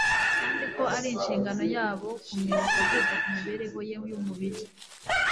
kandi ko ari inshingano yabo kumwibutsa kwita ku mibereho ye y’umubiri